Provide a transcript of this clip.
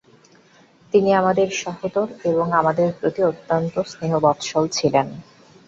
তিনি আমাদের সহোদর এবং আমাদের প্রতি অত্যন্ত স্নেহবৎসল ছিলেন ।